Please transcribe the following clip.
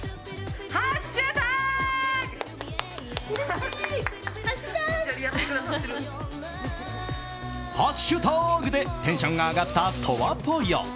ハッシュタグ！でテンションが上がった、とわぽよ。